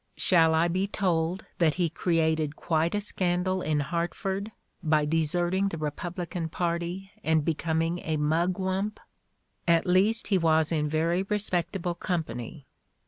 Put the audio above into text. Shall I be told that he created quite a scandal in Hartford by deserting the Republican party and be coming a Mugwump ? At least he was in very respect able company.